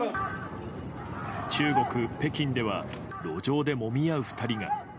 中国・北京では路上でもみ合う２人が。